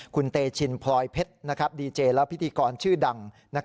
คุณเตชินพลอยเพชรดีเจและพิธีกรชื่อดัง